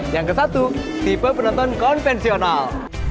yang ke satu tipe penonton konvensional